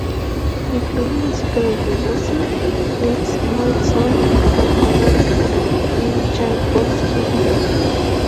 Incluye música de Debussy, Liszt, Mendelssohn, Rajmáninov y Chaikovski, entre otros.